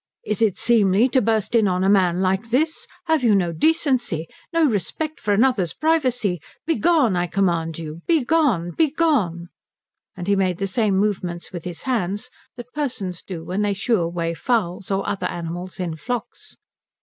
"Is it seemly to burst in on a man like this? Have you no decency? No respect for another's privacy? Begone, I command you begone! Begone!" And he made the same movements with his hands that persons do when they shoo away fowls or other animals in flocks.